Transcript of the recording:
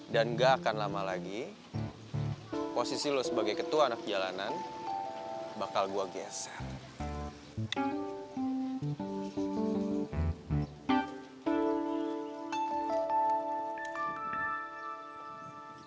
dan gak akan lama lagi posisi lo sebagai ketua anak jalanan bakal gue geser